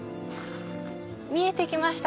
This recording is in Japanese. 見えて来ました